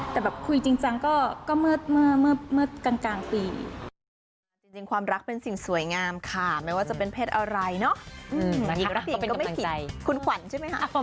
แต่แบบคุยจริงจังก็เมื่อกลางปี